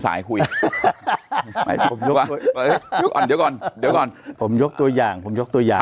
สายคุยเดี๋ยวก่อนเดี๋ยวก่อนผมยกตัวอย่างผมยกตัวอย่าง